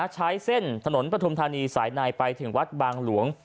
ใช้เส้นถนนปฐุมธานีสายในไปถึงวัดบางหลวง